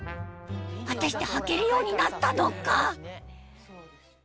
果たしてはけるようになったのか？